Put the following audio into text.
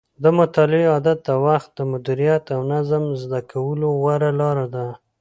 د مطالعې عادت د وخت د مدیریت او نظم زده کولو غوره لاره ده.